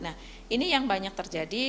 nah ini yang banyak terjadi